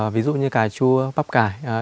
ví dụ như cà chua bắp cải